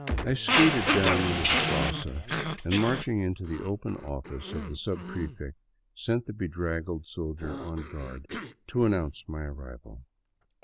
I skated down into the plaza and, marching into the open office of the subprefect, sent the bedraggled soldier on guard to announce my arrival.